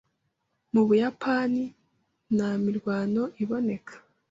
Mu Buyapani nta mirwano iboneka